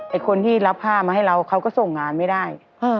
คนที่รับผ้ามาให้เราเขาก็ส่งงานไม่ได้